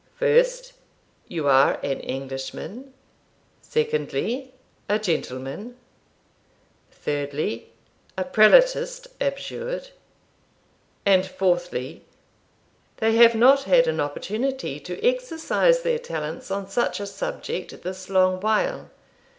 'First, you are an Englishman; secondly, a gentleman; thirdly, a prelatist abjured; and, fourthly, they have not had an opportunity to exercise their talents on such a subject this long while.